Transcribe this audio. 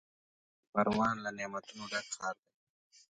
پروان له نعمتونو ډک ښار دی.